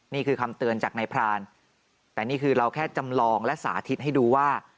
นี่คือคำเตือนจากนายพรานแต่นี่คือเราแค่จำลองและสาธิตให้ดูว่า